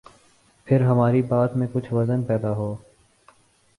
پھر ہماری بات میں کچھ وزن پیدا ہو۔